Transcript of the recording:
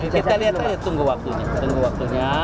kita lihat saja tunggu waktunya